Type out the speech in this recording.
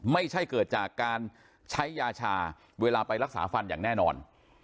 ไม่ใช่เกิดจากการใช้ยาชาเวลาไปรักษาฟันอย่างแน่นอน